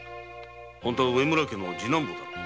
本当は植村家の次男坊だろう。